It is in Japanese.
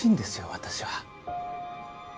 私は。